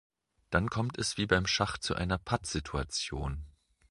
Dann kommt es wie beim Schach zu einer Pattsituation.